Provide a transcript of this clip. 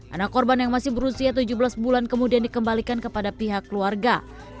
anak korban yang masih berusia tujuh belas bulan kemudian dikembalikan kepada pihak keluarga